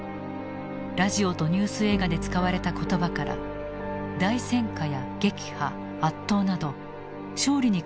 ラジオとニュース映画で使われた言葉から大戦果や撃破圧倒など勝利に関連した言葉を抽出した。